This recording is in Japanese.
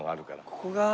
ここが。